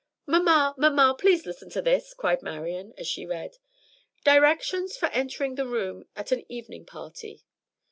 "Mamma, mamma, please listen to this!" cried Marian, and she read: "'_Directions for entering the room at an evening party.